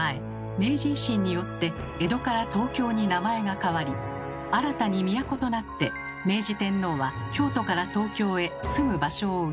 明治維新によって「江戸」から「東京」に名前が変わり新たに都となって明治天皇は京都から東京へ住む場所を移しました。